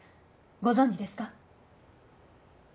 ご存じですか？